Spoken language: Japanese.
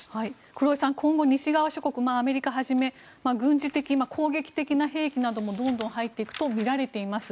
黒井さん、今後西側諸国はじめアメリカはじめ軍事的、攻撃的な兵器などもどんどん入っていくとみられています。